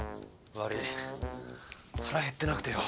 悪い腹減ってなくてよ。